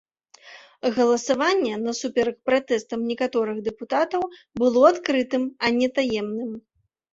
Галасаванне, насуперак пратэстам некаторых дэпутатаў, было адкрытым, а не таемным.